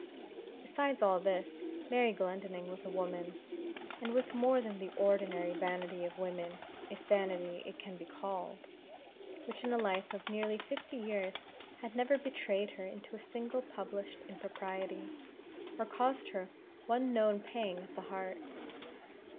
Besides all this, Mary Glendinning was a woman, and with more than the ordinary vanity of women if vanity it can be called which in a life of nearly fifty years had never betrayed her into a single published impropriety, or caused her one known pang at the heart.